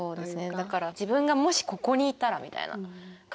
だから自分がもしここにいたらみたいな考えたら。